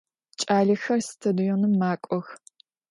Ç'alexer stadionım mak'ox.